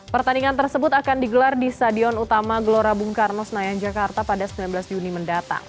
pertandingan tersebut akan digelar di stadion utama glorabung karnos nayang jakarta pada sembilan belas juni mendatang